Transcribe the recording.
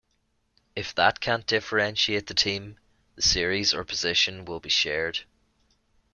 If that can't differentiate the team, the series or position will be shared.